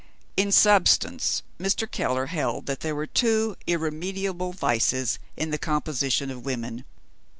In substance, Mr. Keller held that there were two irremediable vices in the composition of women.